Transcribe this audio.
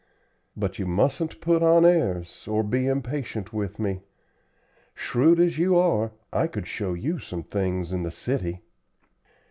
But you mustn't put on airs, or be impatient with me. Shrewd as you are, I could show you some things in the city."